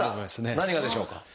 何がでしょうか？